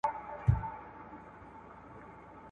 هغه سړی چې په لوکس موټر کې و ډېر بوخت ښکارېده.